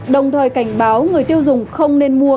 đồng thời cảnh báo người tiêu dùng không nên mua